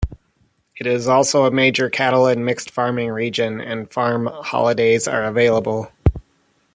It is also a major cattle and mixed-farming region, and farm holidays are available.